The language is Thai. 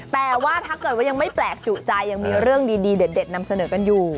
แต่ว่าถ้าเกิดว่ายังไม่แปลกจุใจยังมีเรื่องดีเด็ดนำเสนอกันอยู่